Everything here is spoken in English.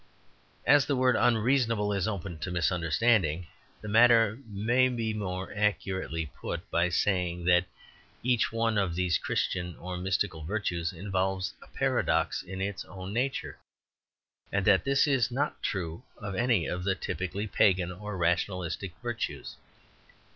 As the word "unreasonable" is open to misunderstanding, the matter may be more accurately put by saying that each one of these Christian or mystical virtues involves a paradox in its own nature, and that this is not true of any of the typically pagan or rationalist virtues.